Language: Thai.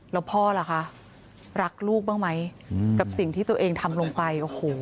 แล้วพ่อล่ะคะรักลูกบ้างไหมกับสิ่งที่ตัวเองทำลงไปโอ้โห